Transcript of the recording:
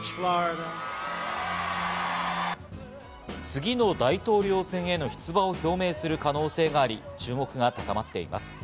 次の大統領選への出馬を表明する可能性があり、注目が高まっています。